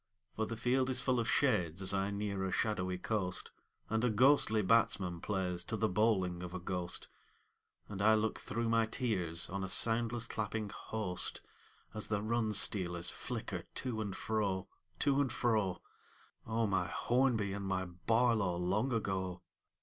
For the field is full of shades as I near a shadowy coast, And a ghostly batsman plays to the bowling of a ghost, And I look through my tears on a soundless clapping host As the run stealers flicker to and fro, To and fro: O my Hornby and my Barlow long ago